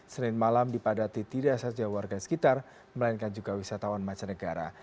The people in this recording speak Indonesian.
senin malam dipadati tidak saja warga sekitar melainkan juga wisatawan mancanegara